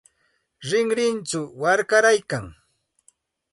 Rinrinchaw warkaraykan.